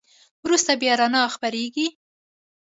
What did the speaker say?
وروسته بیا رڼا خپرېږي.